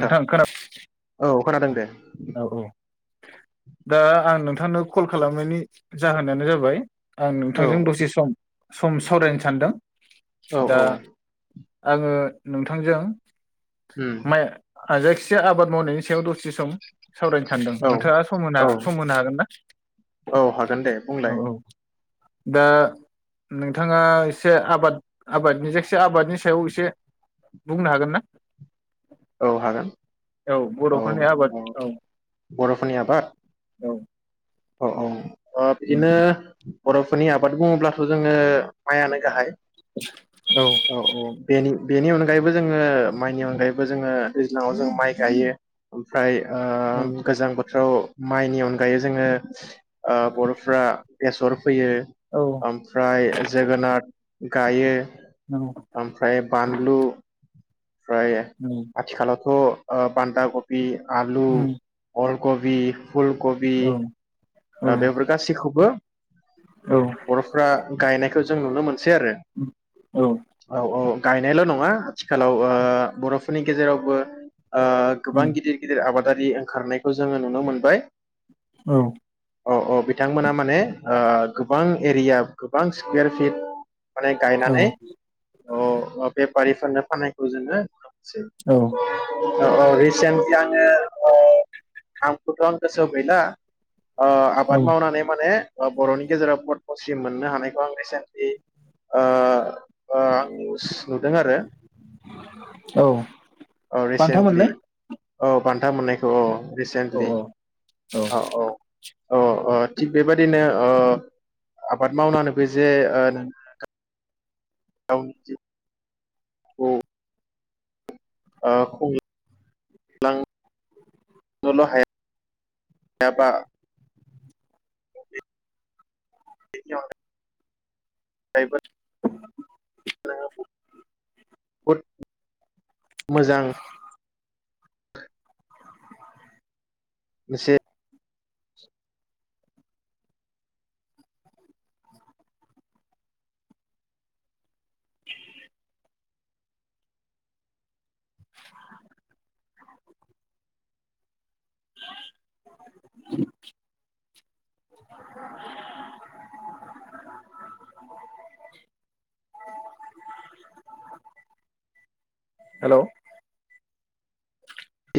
थां खोना औ खोनादों दे औ औ दा आं नोंथांनो कल खालामनायनि जाहोनानो जाबाय आं औ नोंथांजों दसे सम सम सावरायनो सानदों औ दा औ आङो नोंथांजों उम आ जायखिजाया आबाद मावनायनि सायाव दसे सम सावरायनो सानदों औ नोंथाङा सम होनो औ सम होनो हागोन ना औ हागोन दे औ बुंलाय औ दा नोंथाङा एसे आबाद आबादनि जायखि आबादनि सायाव एसे बुंनो हागोन ना? औ हागोन औ बर'फोरनि आबाद औ बर'फोरनि आबाद औ औ औ अ बिदिनो बर'फोरनि आबाद बुङोब्लाथ' जोङो माइआनो गाहाय। औ औ बेनि बेनि अनगायैबो जोङो माइनि अनगायैबो जोङो दैज्लाङाव जों माइ गायो ओमफ्राय ओ औ गोजां बोथ औ माइनि अनगायै जोङो ओ बर'फ्रा बेसर फैयो औ ओमफ्राय जोगोनाथ गायो। औ ओमफ्राय बानलु ओमफ्राय आथिखालावथ' ओ बान्दा कबि आलु अल कबि फुलकबि ओ बेफोर गासैखौबो बर'फ्रा गायनायखौ जों नुनो मोनसै आरो औ औ औ औ गायनायल नङा आथिखालाव ओ बर'फोरनि गेजेरावबो ओ औ गोबां गिदिर गिदिर आबाद गारि ओंखारनायखौ जोङो नुनो मोनबाय। औ औ औ बिथांमोना माने ओ गोबां एरिया गोबां स्कुवेर लि माने गायनानै औ अ बेब पारिफोरनो फानायखौ जोङो सै औ औ रिसेन्टलि आङो ओ नामखौथ' आं गोसोआव गैला। ओ औ आबाद मावनानै माने ओ बर'नि गेजेराव पदमस्रि मोननो हानायखौ आं रिसेन्टलि ओ ओ निउस नुदों आरो औ औ बान्था रिसेन्टलि मोननो औ बान्था मोननायखौ औ औ रिसेन्टलि औ औ औ अ अ थिग बेबदिनो अ आबाद मावनानै बे जे औ जि औ ओ खुं [unintelligible] हायाबा [unintelligible] [unintelligible] [unintelligible] मोजां बेसे [inaudible] हेलौ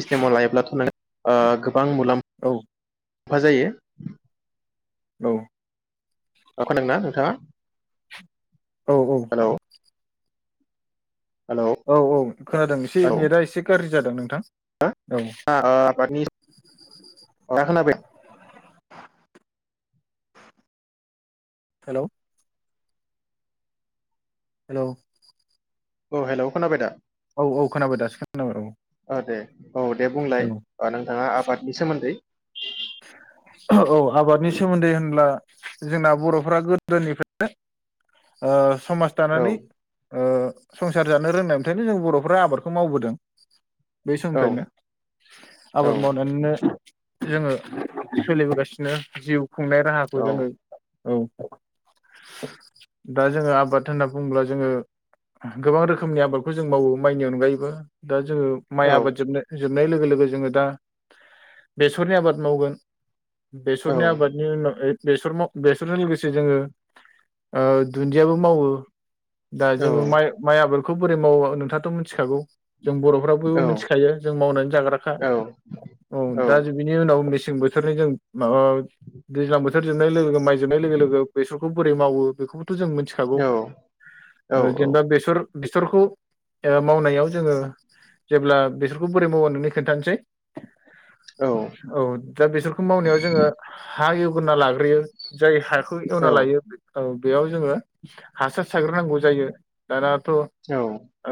इस्टेमाव लायोब्लाथ' नोंङो आ बां मुलाम औ फा जायो। औ अ खोनादोंना नोंथाङा? औ औ। हेलौ हेलौ औ औ खोनादों एसे नेटआ एसे गाज्रि जादों नोंथां? हो औ ओ आबादनि [unintelligible] खोनादों हेलौ हेलौ औ हेलौ खोनाबाय दा? औ औ खोनाबाय दासो खोनाबाय औ औ दे औ दे बुंलाय औ अ नोंथाङा आबादनि सोमोन्दै। औ आबादनि सोमोन्दै होनब्ला जोंना बर'फ्रा गोदोनिफ्रायनो ओ समाज औ दानानै ओ संसार जानो रोंनायफ्रायनो जों बर'फ्रा आबादखौ मावबोदों। बै औ समनिफ्रायनो औ आबाद मावनानैनो जोङो सोलिबोगासिनो जिउ खुंनाय राहाखौ औ जोङो औ। [inaudible] दा जोङो आबाद होनना बुङोब्ला जोङो गोबां रोखोमनि आबादखौ जों मावो माइनि अनगायैबो। दा जोङो माइ औ आबाद जोबनो जोबनाय लोगो लोगो जोङो दा बेसरनि आबाद मावगोन औ बेसरनि आबादनि उनाव बेसर बेसरजों लोगोसे जोङो दुन्दियाबो मावो दा औ जोङो माइ माइ आबाद बेखौ बोरै मावो नोंथाङाथ' मिथिखागौ? जों बर'फ्राबो औ मिथिखायो जों मावनानै जाग्राखा औ औ दा बिनि उनाव मेसें बोथोरनि जों माबा माबि दैज्लां बोथोर जोबनाय लोगो माय जोबनाय लोगो लोगो बेसरखौ बोरै मावो बेखौ थ' जों मिथिखागौ औ औ ओ जेनेबा बेसर बेसरखौ ओ मावनायाव जोङो जेब्ला बेसरखौ बोरै मावो नोंनो खोन्थानोसै औ औ दा बेसरखौ मावनायाव जोङो हा एव गोरना लाग्रोयो जाय हाखौ एवना लायो औ बेयाव जोङो हासार सारग्रोनांगौ जायो दाना थ'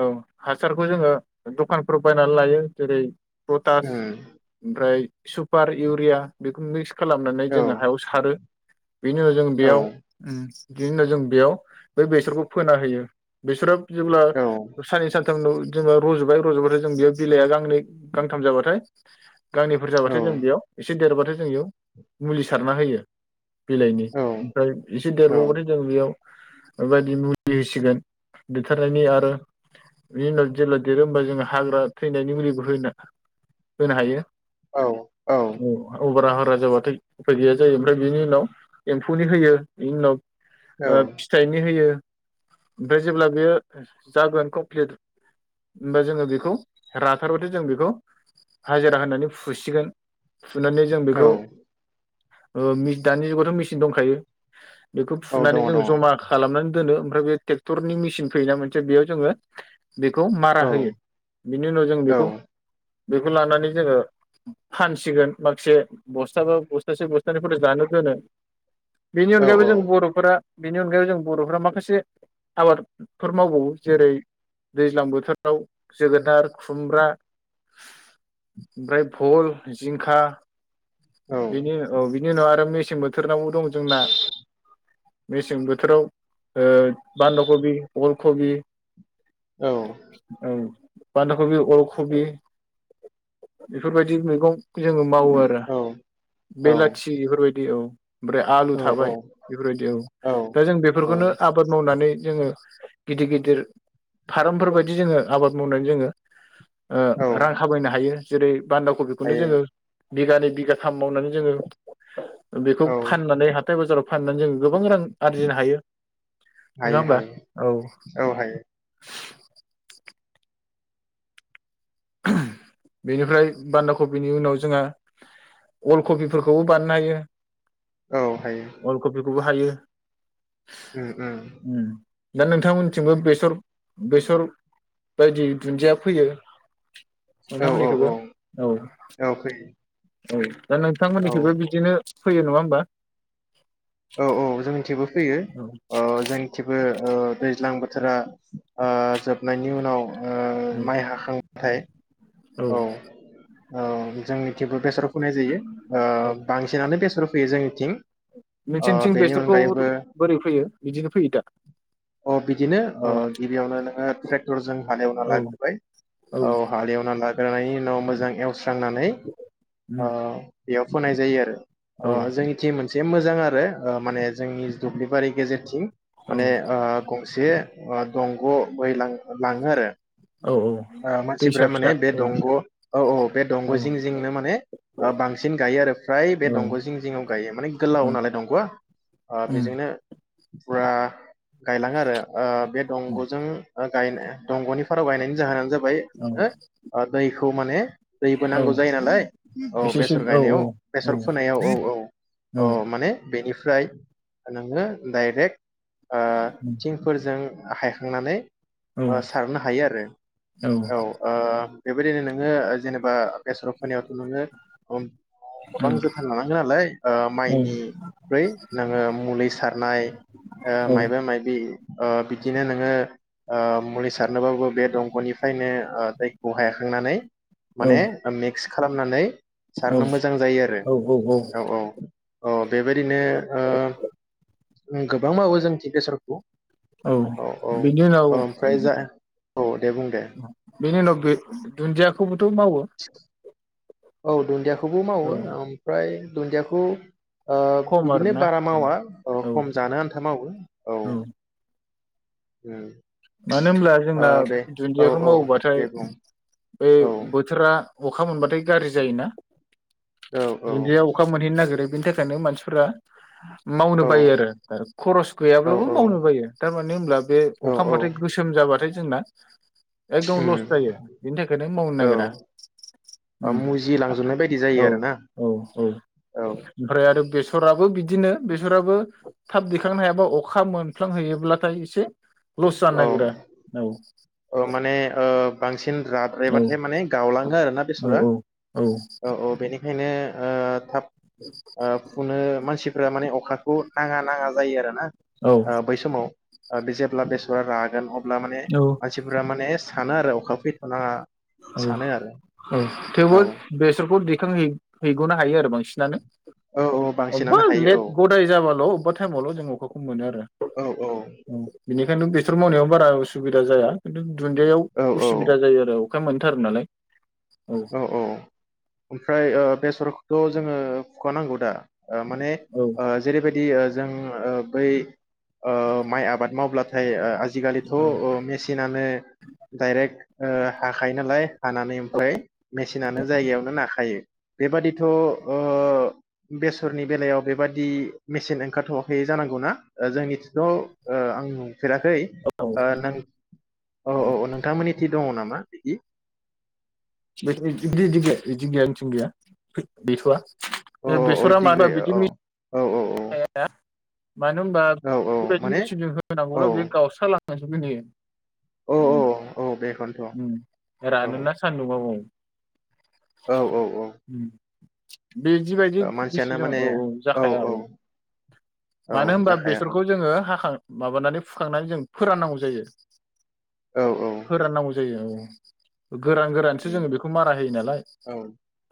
औ हासारखौ जोङो दखानफ्राव बायनानै लायो जेरै पटास ओमफ्राय सुपार, इउरिया बेखौ मिक्स खालामनानै औ जोङो हायाव सारो बेनि उनाव जों औ बेयाव बिदिनो जों बेयाव बै बेसरखौ फोना होयो बेसरा जेब्ला औ साननै सानथामल' जोङो रज'बाय रज'बाथाय जों बेयाव बिलाइआ गांनै गांथाम जाबाथाय गांनैफोर जों बेयाव एसे देरबाथाय जों बेयाव मुलि सारना होयो बिलाइनि ओमफ्राय एसे देरबावबाथाय जों बेयाव बे बायदि मुलि होसिगोन देरथारनायनि आरो बिनि उनाव जेब्ला देरो होमबा जोङो हाग्रा थैनायनि मुलिबो होनो हायो। औ औ बारा जाबाथाय उफाय गैया जायो ओमफ्राय बिनि उनाव एम्फौनि होयो बिनि उनाव ओ फिथाइनि होयो ओमफाय जेब्ला बेयो जागोन कमप्लिट होमबा जोङो बेखौ राथारबाथाय जों बेखौ हाजिरा होनानै फुसिगोन। फुनानै जों औ बेखौ ओ मि दानि जुगावथ' मेचिन दंखायो। बेखौ औ फुनानै दङ जोंङो दङ जमा खालामनानै दोनो ओमफ्राय बे ट्रेक्टरनि मेसिन फैयोना मोनसे बेयाव जोङो बेखौ मारा औ होयो बिनि उनाव जों औ बेखौ बेखौ लानानै जोङो फानसिगोन माखासे बस्थाबा बस्थासे बस्थानैफोरखो जानो दोनो। बेनि औ अनगायैबो जों बर'फोरा बेनि अनगायै जों बर'फोरा माखासे आबाद फोर मावबावो जेरै दैज्लां बोथोराव जोगोनार खुमब्रा ओमफ्राय भल जिंखा औ बेनि औ बिनि उनाव आरो मिस मेसें बोथोरनावबो दं जोंना मेसें बोथोराव ओ बान्दा कबि अल कबि औ औ। बान्दाकबि अलखबि बेफोरबायदि मैगं जोङो मावो आरो औ बेलाथि इफोरबायदि दि औ। ओमफ्राय आलु थाबाय बेफोरबायदि औ दा जों बेफोरखौनो आबाद मावनानै जोङो गिदिर गिदिर फारामफोरबायदि जोङो आबाद मावनानै जोङो औ ओ रां खामायनो हायो। जेरै बान्दा कबिखौनो जोङो हायो बिगानै बिगाथाम मावनानै जोङो बेखौ औ फाननानै हाथाय बाजाराव फाननानै जों गोबां रां आरजिनो हायो नङा हायो होमबा हायो औ। औ हायो बेनिफ्राय बान्दा कबिनि उनाव जोंहा अल्ड कपिफोरखौबो बानायनो औ हायो हायो। अल कबिखौबो हायो। उम उम। दा नोंथांमोनथिंबो बेसर बेसर बायदि दुन्दिया फैयो। औ औ नोंथांमोननिखैबो औ औ। औ फैयो औ। दा औ नोंथांमोननिखैबो बिदिनो फैयो नङा होमबा? फैयो औ जोंनिथिंबो ओ ओ दैज्लां बोथोरा ओ जोबनायनि उनाव औ माइ हाखांबाथाय औ औ जोंनिथिंबो बेसर फुनाय जायो ओ बांसिनानो बेसर फु फैयो जोंनिथिं औ ओ बेनि अनगायैबो फैयो बिदिनो फैयो दा औ बिदिनो ओ औ गिबियावनो नोङो ट्रेक्टरजों ओ हालेवना औ लाग्रोबाय औ हालेवना लाग्रानै नाव मोजां एवस्रांनानै उम ओ बेयाव फोनाय जायो आरो ओ औ जोंनिथिं मोन जे मोजां आरो बे ओ माने जोंनि दुब्लिबारि गेजेरथिं औ माने ओ से ओ दंग' बोहैलां लाङो आरो औ औ ओ दैसा मानसिफोरा माने फिसा बे दंग' औ औ बे दंग' औ औ जिं जिंनो माने ओ बांसिन गायो आरो फ्राय बे औ दंग' जिं जिङाव गायो माने गोलाव नालाय दंग ओ उम बेजोंनो ब्रा गायलाङो आरो ओ बे दंग'जों गायनाय दंग'नि फाराव गायनायनि जाहोनानो जाबाय औ बै हो ओ दै बेखौ माने दैबो औ नांगौ जायो नालाय औ एसेसो बेसर औ गायनायाव औ बेसर फोनायाव औ औ औ माने बेनिफ्राय नोङो डाइरेक्ट ओ थिंफोरजों हायखांनानै औ सारनो हायो आरो औ ओ बेबायदिनो नोङो ओ जेनेबा बेसर फोनायावथ' नोङो ओ गोबां जोथोन लानांगोन नालाय ओ माइनि ओ नोङो मुलि सारनाय ओ मायबा मायबि ओ बिदिनो नोङो ओ मुलि सारनोबाबो बे दंग'निफ्रायनो दैखौ हायाखांनानै माने मिक्स खालामनानै सारनो मोजां जायो आरो औ औ अ बेबाय दिनो ओ गोबां मावो जोंथि बेसरखौ औ बेनि उनाव औ ओम ओमफ्राय जा औ दे बुं दे बेनि उनाव बे दुनजियाखौबोथ' मावो औ दुनदियाख खौबो औ मावो ओमफ्राय दुनदियाखौ ओ खम बिदिनो आरोना बारा औ मावा अ औ खम जानो आन्था मावो औ ओम मानो होमब्ला जोंना दुनदियाखौ औ मावोबाथाय दे बुं बे औ बथोरा अखा मोनबाथाय गाज्रि जायोना औ औ दुनदिया अखा मोनहैनो नागिरो बिनि थाखायनो मानसिफोरा मावनो बायो आरो खरस औ गैयाब्लाबो मावनो बायो थारमाने होनब्ला बे औ अ औ खामबाथाय गोसोम जाबाथाय जोंना एकदम लस उम जायो बेनि थाखायनो मावनो औ नागिरा ओ ओम आ मुजिलांजोबनाय बायदि जायो औ आरोना औ औ औ ओमफ्राय आरो बेस सराबो बिदिनो बेसराबो थाब दैखांनो हायाबा अखा मोनफ्लांहैयोब्लाथाय एसे लस जानो औ नागिरा औ औ माने ओ बांसिन औ राद्रायबाथाय माने गावलाङो आरोना औ बेसरा औ औ बेनिख खायनो ओ थाब ओ फुनो मानसिफ्रा माने अखा उ नाङा नाङा जायो आरो ना आ बै समाव आ बि जेब्ला बेस ओ रागोन अब ब्ला माने औ मानसिफोरा माने सानो आरो अखा फैथ'नााङा औ औ थेवबो बेसरखौ दैखांहैयो हैग'नो हायो आरो बांसिनानो औ औ अबबा बांसिनानो हायो लेट औ गदाय जाबाल' अबबा टाइमावल' जों अखाखौ मोनो आरो औ बिनिखायनो बेसर मावनायाव बारा उसुबिदा जाया खिन्थु दुन्दियाआव औ उसुबिदा जायो आरो औ खाय मोनथारो नालाय औ औ ओमफ्राय ओ बेसरखौथ' जोङो सुखानांगौ दा? ओ माने औ ओ जेरैबायदि‌ ओ जोङो बै ओ माइ आबाद मावब्लाथ थायो ओ आजिखालिथ' औ ओ मेसिनानो डाइरेक्ट ओ हाखायो नालाय हानानै ओमफ्राय मेसिनानो जायगायावनो नाखायो बेबादिथ' ओ बेसोरनि बेलायाव बेबादि मेसिन ओंखारथ'वाखै जानांगौना ओ जोंनिथिंथ' ओ आं नु फेराखै ओ नोंथां औ औ नोंथां मोननि थि दङ नामा बिदि? बेथ इदि गि इदि गैया इदि गैया जोंथिं गैया गैथ'वा। अ ए अ बेसरा इदि माबा गैया बिदि औ मि औ औ औ [unintelligible] मानो होमबा औ औ बेबायदि माने मेचिनजों औ होनांगौब्ला बेयो गावस्रालां जोबगोन इयो। औ उम औ बेखौनोथ' औ उम रानोना सान्दुंआव औ। औ औ औ। बेदिबायदि मानसियानो मिसिनजों माने औ औ जाखाया औ। औ मानो होमबा जाखाया बेसरखौ जोङो हाखां माबानानै फुखांनानै जों फोराननांगौ जायो। औ औ उम फोराननांगौ जायो औ। [unintelligible] गोरान गोरानसो जोङो बेखौ मारा होयो नालाय औ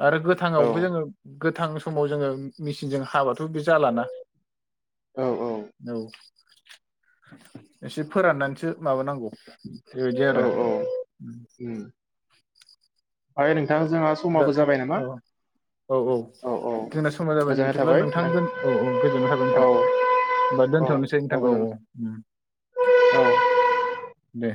आरो औ गोथाङावबो जोङो गोथां समाव जोङो उम मेसिनजों हाबाथ' बे जाला ना। औ औ। एसे फोराननानैसो माबानांगौ। बेबायदि औ आरो औ उम। दायो नों दा औ औ औ जोंना समा जाबाय गोजोननाय बिदिब्ला थाबाय नोंथां नों औ औ गोजोननाय थाबाय औ नोंथां होमबा औ दोन्थ'नोसै नोंथां औ गोजोन औ औ दे।